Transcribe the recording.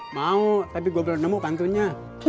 mau tapi gue belum nemu pantunya